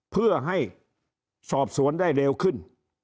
เพื่อให้สอบสวนได้เร็วขึ้น